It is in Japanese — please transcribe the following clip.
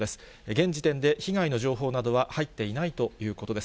現時点で被害の情報などは入っていないということです。